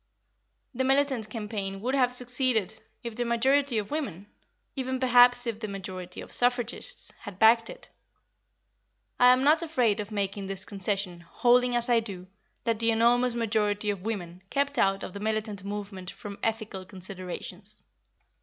The militant campaign would have succeeded if the majority of women, even perhaps if the majority of suffragists, had backed it. I am not afraid of making this concession, holding, as I do, that the enormous majority of women kept out of the militant movement from ethical considerations.